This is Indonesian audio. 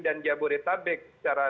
dan jabodetabek secara